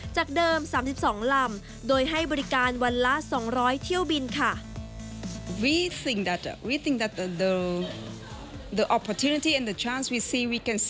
จากเดิม๓๒ลำโดยให้บริการวันละ๒๐๐เที่ยวบินค่ะ